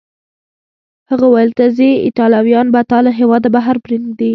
هغه وویل: ته ځې، ایټالویان به تا له هیواده بهر پرېنږدي.